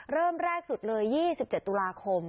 เริ่มแรกสุดเลย๒๗ตุลาคม